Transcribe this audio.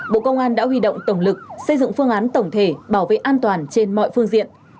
bộ công an đã huy động tổng lực xây dựng phương án tổng thể bảo vệ an toàn trên mọi phương diện